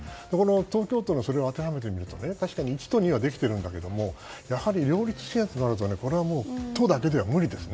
東京都にそれを当てはめてみると確かに１と２はできてるんだけどやはり両立支援となるとこれは都だけでは無理ですね。